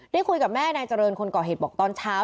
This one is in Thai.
ได้คุยกับแม่นายเจริญคนก่อเหตุบอกตอนเช้า